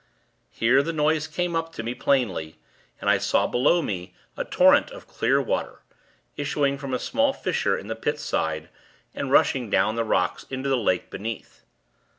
Here, the noise came up to me, plainly; and I saw, below me, a torrent of clear water, issuing from a small fissure in the Pit side, and rushing down the rocks, into the lake beneath.